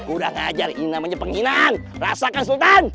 udah ngajarin namanya penghinaan rasakan sultan